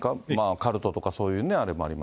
カルトとかそういうあれもありま